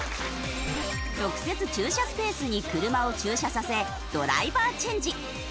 特設駐車スペースに車を駐車させドライバーチェンジ。